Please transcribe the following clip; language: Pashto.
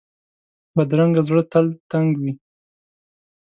بدرنګه زړه تل تنګ وي